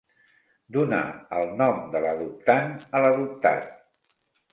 Donar el nom de l'adoptant a l'adoptat.